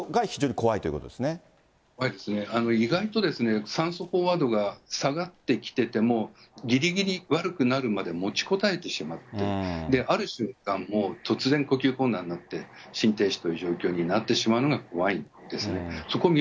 怖いですね、意外と酸素飽和度が下がってきてても、ぎりぎり悪くなるまでもちこたえてしまって、ある瞬間、もう突然呼吸困難になって、心停止という状況になってしまうのが怖いんですね。